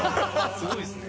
すごいですね。